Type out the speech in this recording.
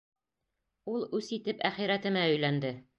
Ул үс итеп әхирәтемә өйләнде.